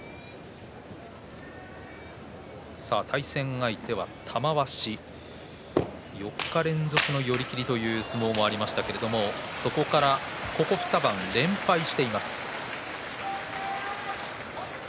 対戦相手は玉鷲４日連続の寄り切りという相撲もありましたがここ２番、連敗しています。